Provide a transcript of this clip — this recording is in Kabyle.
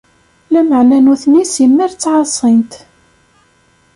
Lameɛna nutni simmal ttɛaṣin-t.